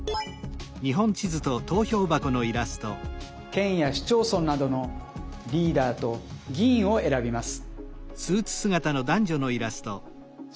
県や市町村などのリーダーと議員を選びます。